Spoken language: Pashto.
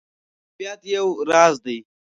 باد د طبیعت یو راز دی